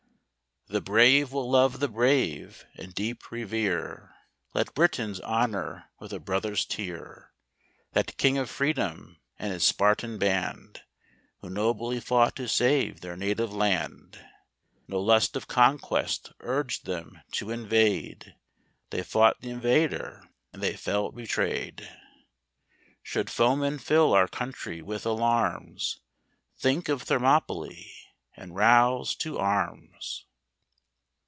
The brave will love the brave, and deep revere; Let Britons honour with a brother's tear That King of freedom, and his Spartan band, Who nobly fought to save their native land. No lust of conquest urged them to invade, They fought th' invader, and they fell betrayed. Should foemen fill our country with alarms, Think of Thermopylae, and rouse to arms.